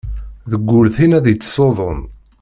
Deg ul tin ad yettṣuḍun.